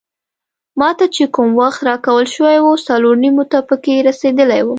ما ته چې کوم وخت راکول شوی وو څلور نیمو ته پکې رسیدلی وم.